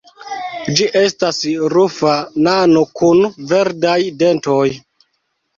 Ĝi estas rufa nano kun verdaj dentoj.